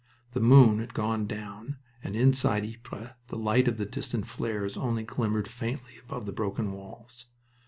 The moon had gone down, and inside Ypres the light of the distant flares only glimmered faintly above the broken walls.